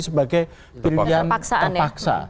sebagai pilihan terpaksa